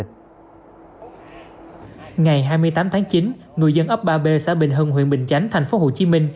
ngày hai mươi tám tháng chín người dân ấp ba b xã bình hưng huyện bình chánh tp hcm